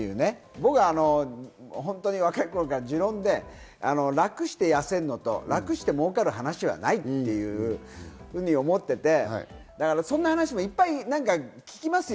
僕は若い頃から持論で、楽して痩せるのと、楽して儲かる話はないっていうふうに思っていて、そんな話もいっぱい聞きますよ。